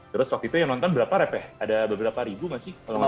terus waktu itu yang nonton berapa rep ya ada berapa ribu gak sih